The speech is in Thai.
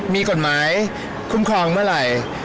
มีกฎหมายคุ้มครองเมื่อไหร่